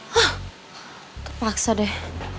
hah terpaksa deh